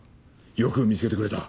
よく見つけてくれた。